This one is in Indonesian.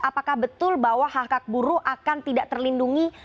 apakah betul bahwa hak hak buruh akan tidak terlindungi